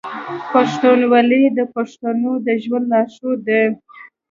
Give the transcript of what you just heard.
پښتونولي د پښتنو د ژوند لارښود دی.